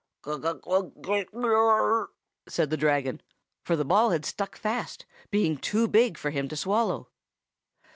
"'Gug wugg gllll grrr!' said the Dragon, for the ball had stuck fast, being too big for him to swallow.